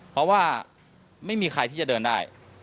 เพราะว่าไม่มีใครที่จะเดินได้